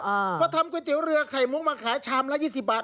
เพราะทำก๋วยเตี๋ยวเรือไข่มุกมาขายชามละ๒๐บาท